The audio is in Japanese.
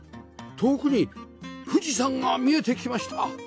遠くに富士山が見えてきました！